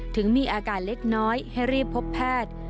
ถึงมีอาการเล็กน้อยให้รีบพบแพทย์